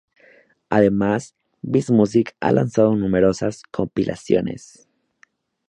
Además, Bis Music ha lanzado numerosas compilaciones.